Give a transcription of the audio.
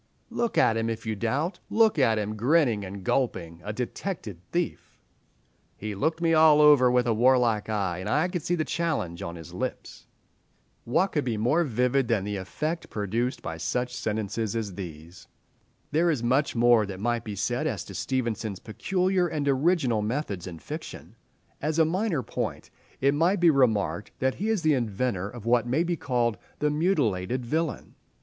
"Look at him, if you doubt; look at him, grinning and gulping, a detected thief. "He looked me all over with a warlike eye, and I could see the challenge on his lips." What could be more vivid than the effect produced by such sentences as these? There is much more that might be said as to Stevenson's peculiar and original methods in fiction. As a minor point, it might be remarked that he is the inventor of what may be called the mutilated villain.